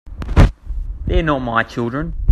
They're not my children.